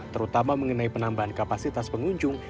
terutama mengenai penambahan kapasitas pengunjung